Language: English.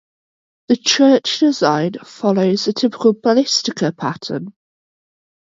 The church design follows a typical basilica pattern.